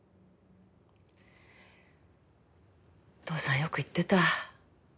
父さんよく言ってた。